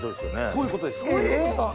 そういうことです。え！